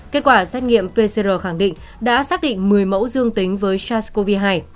kết quả xét nghiệm pcr khẳng định đã xác định một mươi mẫu dương tính với sars cov hai